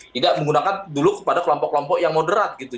tidak menggunakan dulu kepada kelompok kelompok yang moderat gitu